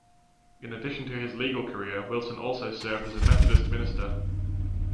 In addition to his legal career, Wilson also served as a Methodist minister.